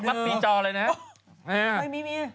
ไม่มีเมีย